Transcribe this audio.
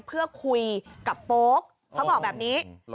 เพื่อคุยกับโป๊กเขาบอกแบบนี้